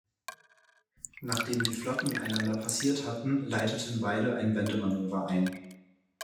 Nachdem die Flotten einander passiert hatten, leiteten beide ein Wendemanöver ein.